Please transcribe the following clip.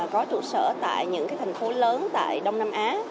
có trụ sở tại những thành phố lớn tại đông nam á